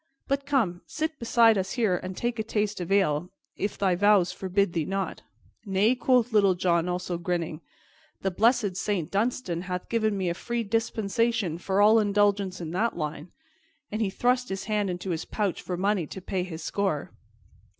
But come, sit beside us here and take a taste of ale, if thy vows forbid thee not." "Nay," quoth Little John, also grinning, "the blessed Saint Dunstan hath given me a free dispensation for all indulgence in that line." And he thrust his hand into his pouch for money to pay his score.